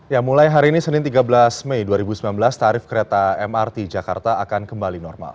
ya mulai hari ini senin tiga belas mei dua ribu sembilan belas tarif kereta mrt jakarta akan kembali normal